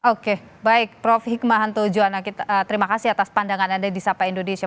oke baik prof hikmahanto juwana terima kasih atas pandangan anda di sapa indonesia